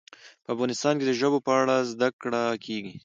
په افغانستان کې د ژبو په اړه زده کړه کېږي.